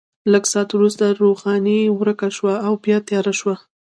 لږ ساعت وروسته روښنايي ورکه شوه او بیا تیاره شوه.